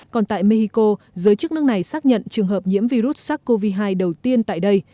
còn tại mexico giới chức nước này xác nhận trường hợp nhiễm virus sars cov hai đầu tiên tại đây